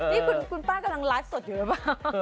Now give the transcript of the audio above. นี่คุณป้ากำลังไลฟ์สดอยู่หรือเปล่า